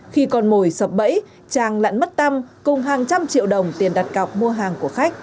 khi còn mồi sập bẫy trang lặn mất tăm cùng hàng trăm triệu đồng tiền đặt cọc mua hàng